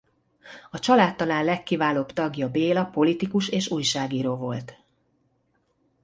A család talán legkiválóbb tagja Béla politikus és újságíró volt.